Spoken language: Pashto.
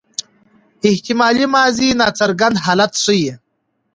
احتمالي ماضي ناڅرګند حالت ښيي.